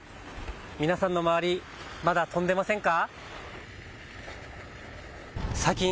皆さんの周りまだ飛んでませんか。